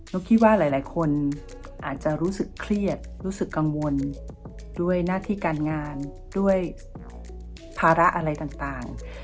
คิดว่าหลายคนอาจจะรู้สึกเครียดรู้สึกกังวลด้วยหน้าที่การงานด้วยภาระอะไรต่าง